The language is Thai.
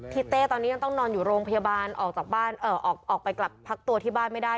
เต้ตอนนี้ยังต้องนอนอยู่โรงพยาบาลออกจากบ้านออกไปกลับพักตัวที่บ้านไม่ได้